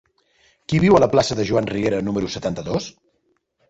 Qui viu a la plaça de Joan Riera número setanta-dos?